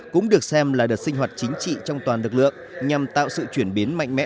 cũng được xem là đợt sinh hoạt chính trị trong toàn lực lượng nhằm tạo sự chuyển biến mạnh mẽ